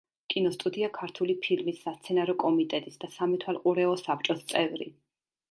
კინოსტუდია „ქართული ფილმის“ სასცენარო კომიტეტის და სამეთვალყურეო საბჭოს წევრი.